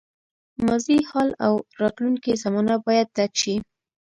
ماضي، حال او راتلونکې زمانه باید ډک شي.